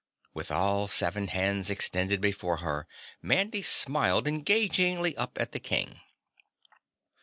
With all seven hands extended before her, Mandy smiled engagingly up at the King.